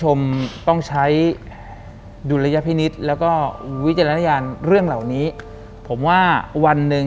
หลังจากนั้นเราไม่ได้คุยกันนะคะเดินเข้าบ้านอืม